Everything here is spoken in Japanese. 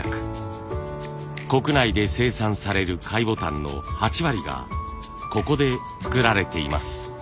国内で生産される貝ボタンの８割がここで作られています。